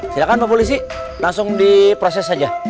silakan pak polisi langsung diproses aja